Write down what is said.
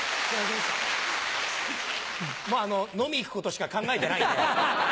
もう飲み行くことしか考えてないんで。